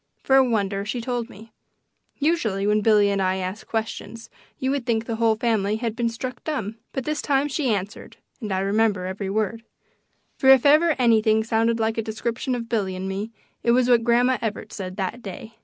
For a wonder, she told me; usually when Billy and I ask questions you would think the whole family had been struck dumb. But this time she answered and I remember every word for if ever anything sounded like a description of Billy and me it was what Grandma Evarts said that day.